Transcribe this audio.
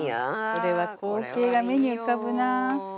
これは光景が目に浮かぶなあ。